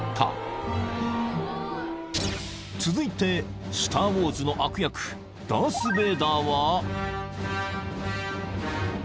［続いて『スター・ウォーズ』の悪役ダース・ベイダーは］